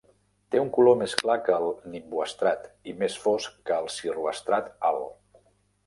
Té un color més clar que el nimboestrat i més fosc que el cirroestrat alt.